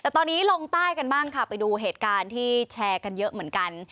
แต่ตอนนี้ลงใต้กันบ้างค่ะไปดูเหตุการณ์ที่แชร์กันเยอะเหมือนกัน